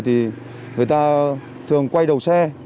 thì người ta thường quay đầu xe